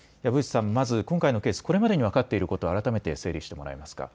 まず今回のケース、これまでに分かっていることを改めて整理してもらえますか。